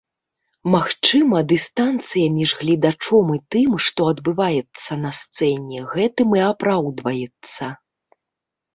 Магчыма, дыстанцыя між гледачом і тым, што адбываецца на сцэне, гэтым і апраўдваецца.